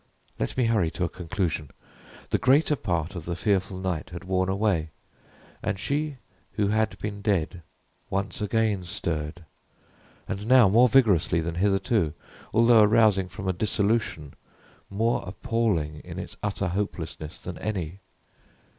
Let me hurry to a conclusion. The greater part of the fearful night had worn away, and she who had been dead once again stirred and now more vigorously than hitherto, although arousing from a dissolution more appalling in its utter hopelessness than any.